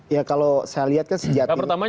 ya kalau saya lihat kan sejatinya